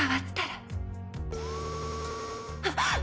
あっ！